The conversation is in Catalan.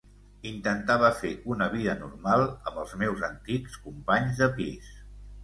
Intentava fer una vida normal amb els meus antics companys de pis.